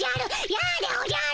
やでおじゃる。